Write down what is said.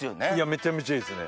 めちゃめちゃいいですね。